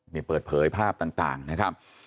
นี่เปิดเผยภาพต่างนะครับ